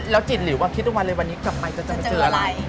แล้วจิตหลิวคิดทุกวันเลยวันนี้กลับไปเธอจะมาเจออะไร